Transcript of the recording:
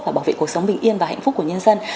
và bảo vệ cuộc sống bình yên và hạnh phúc của nhân dân